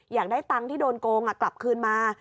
อยากได้ตังค์ที่โดนโกงกลับคืนมา